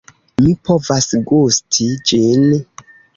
Mi povas gusti ĝin.